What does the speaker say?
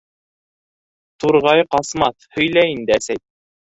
Турғай ҡасмаҫ, һөйлә инде, әсәй!..